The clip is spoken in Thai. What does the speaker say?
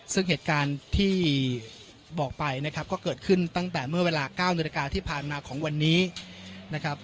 ซึ่งเหตุการณ์ที่บอกไปนะครับก็เกิดขึ้นตั้งแต่เมื่อเวลา๙นาฬิกาที่ผ่านมาของวันนี้นะครับ